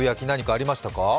何かありましたか？